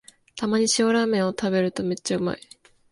たまに塩ラーメンを食べるとめっちゃうまい